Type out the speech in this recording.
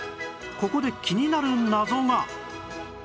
ここで気になる謎が